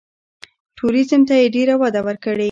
ټوریزم ته یې ډېره وده ورکړې.